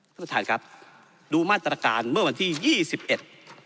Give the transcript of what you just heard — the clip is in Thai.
ท่านประธานครับดูมาตรการเมื่อวันที่ยี่สิบเอ็ด